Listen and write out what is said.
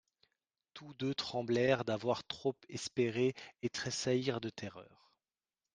Tous deux tremblèrent d'avoir trop espéré et tressaillirent de terreur.